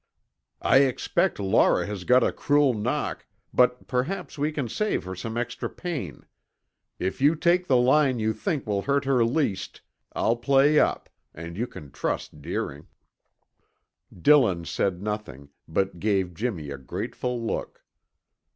"I expect Laura has got a cruel knock, but perhaps we can save her some extra pain. If you take the line you think will hurt her least, I'll play up, and you can trust Deering." Dillon said nothing, but gave Jimmy a grateful look.